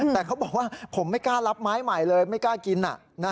แต่เขาบอกว่าผมไม่กล้ารับไม้ใหม่เลยไม่กล้ากิน